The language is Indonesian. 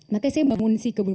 makanya saya bangun si kebun